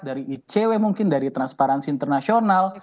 dari icw mungkin dari transparency international